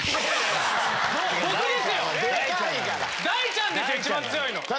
大ちゃんですよ一番強いの。